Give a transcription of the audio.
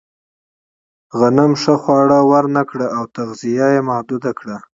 غنم ښه خواړه ورنهکړل او تغذیه یې محدوده کړه.